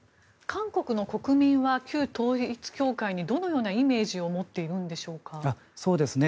韓国の国民は旧統一教会にどのようなイメージを持っているんでしょうか？